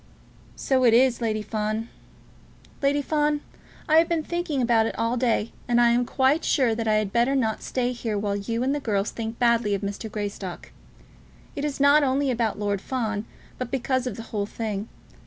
"So it is, Lady Fawn. Lady Fawn, I have been thinking about it all the day, and I am quite sure that I had better not stay here while you and the girls think badly of Mr. Greystock. It is not only about Lord Fawn, but because of the whole thing.